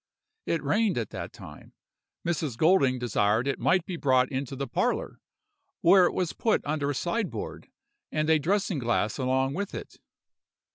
It rained at that time; Mrs. Golding desired it might be brought into the parlor, where it was put under a sideboard, and a dressing glass along with it.